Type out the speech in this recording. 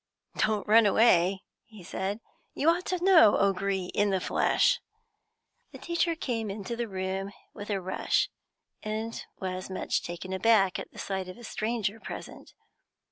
"Don't run away," he said. "You ought to know O'Gree in the flesh." The teacher came into the room with a rush, and was much taken aback at the sight of a stranger present.